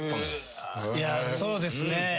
いやそうですね。